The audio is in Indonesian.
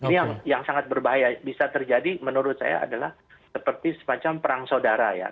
ini yang sangat berbahaya bisa terjadi menurut saya adalah seperti semacam perang saudara ya